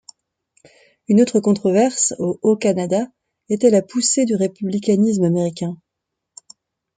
Une autre controverse au Haut-Canada était la poussée du républicanisme américain.